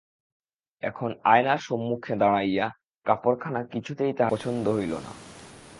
এখন আয়নার সম্মুখে দাঁড়াইয়া কাপড়খানা কিছুতেই তাহার পছন্দ হইল না।